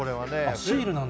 シールなんだ。